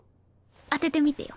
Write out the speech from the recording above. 当ててみてよ。